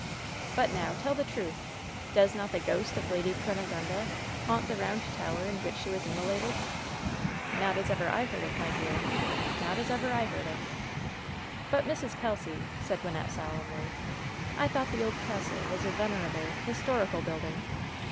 "But, now, tell the truth. Does not the ghost of Lady £64 LOVE'S BITTEREST CUP Ouniganda haunt the Bound Tower in which she was inunolated }" "Not as ever I heard of, my dear. Not as ever I heard of/' "But, Mrs. Kelsy," said Wynnette, solemnly, "I thought the old castle was a venerable, historical build ing.''